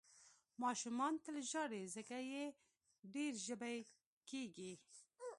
ماشومان تل ژاړي، ځکه یې ډېر ژبۍ کېږي.